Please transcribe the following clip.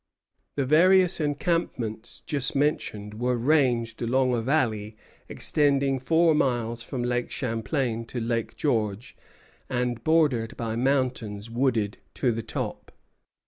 The various encampments just mentioned were ranged along a valley extending four miles from Lake Champlain to Lake George, and bordered by mountains wooded to the top.